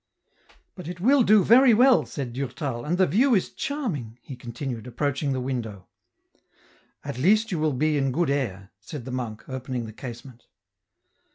" But it will do very well," said Durtal, " and the view is charming," he continued, approaching the window. " At least you will be in good air," said the monk, open ing the casement.